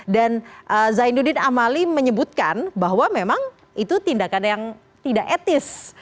dan zainuddin amali menyebutkan bahwa memang itu tindakan yang tidak etis